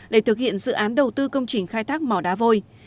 để thực hiện dự án đầu tư công trình khai thác mỏ đá vôi